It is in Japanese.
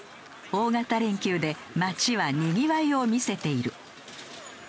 大型連休で街はにぎわいを見せている。